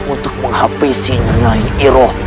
untuk menghabisi nyanyi iroh